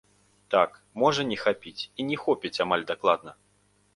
Так, можа не хапіць і не хопіць амаль дакладна.